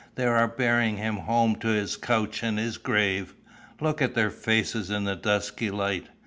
They are bearing him home to his couch and his grave. Look at their faces in the dusky light.